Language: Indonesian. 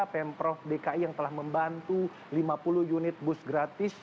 pemprov dki yang telah membantu lima puluh unit bus gratis